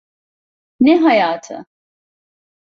Ne hayatı?